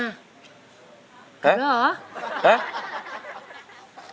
กลับแล้วหรอ